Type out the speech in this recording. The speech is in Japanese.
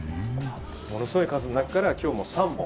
ものすごい数の中から今日も３本。